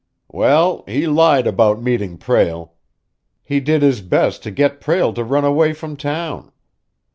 "Well, he lied about meeting Prale. He did his best to get Prale to run away from town.